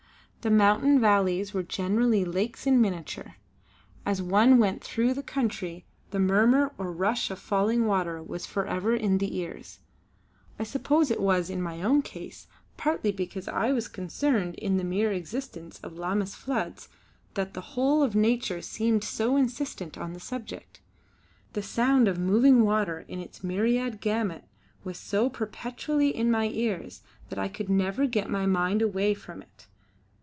The mountain valleys were generally lakes in miniature. As one went through the country the murmur or rush of falling water was forever in the ears. I suppose it was in my own case partly because I was concerned in the mere existence of Lammas floods that the whole of nature seemed so insistent on the subject. The sound of moving water in its myriad gamut was so perpetually in my ears that I could never get my mind away from it.